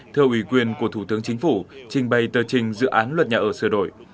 thưa ủy quyền của thủ tướng chính phủ trình bày tờ trình dự án luật nhà ở sửa đổi